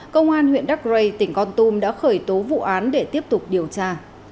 công an huyện đắc lây tỉnh con tum đã khởi tố vụ án để tiếp tục điều tra